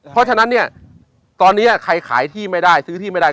เพราะฉะนั้นเนี่ยตอนนี้ใครขายที่ไม่ได้ซื้อที่ไม่ได้